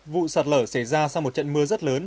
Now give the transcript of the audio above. vụ sạt lở xảy ra sau một trận mưa rất lớn